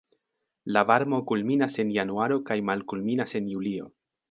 La varmo kulminas en januaro kaj malkulminas en julio.